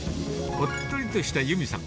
おっとりとした裕美さん。